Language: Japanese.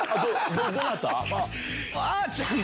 どなた？